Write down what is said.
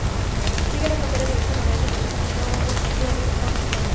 Sigue la frontera en dirección noreste, atravesando los fiordos de Troms y Nordland.